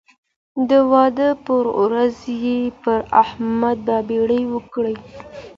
د واده پر ورځ یې پر احمد بابېړۍ وکړ.